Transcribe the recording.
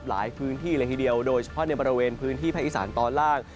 หลายพื้นที่เลยทีเดียวโดยเฉพาะในบริเวณพื้นที่ภาคอีสานตอนล่าง